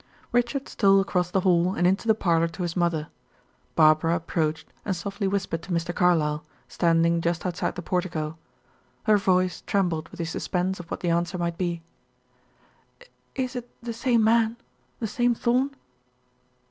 Richard stole across the hall and into the parlor to his mother. Barbara approached and softly whispered to Mr. Carlyle, standing, just outside the portico; her voice trembled with the suspense of what the answer might be. "Is it the same man the same Thorn?"